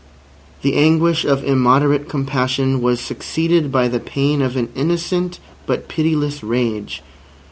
The anguish of immoderate compassion was succeeded by the pain of an innocent but pitiless rage.